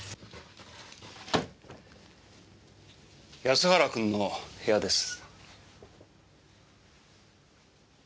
安原君の部屋です。